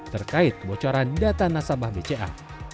terkait kebocoran data nasabah bca